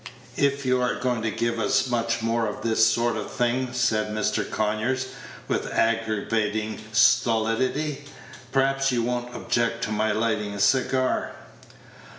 "If you are going to give us much more of this sort of thing," said Mr. Conyers, with aggravating stolidity, "perhaps you won't object to my lighting a cigar?"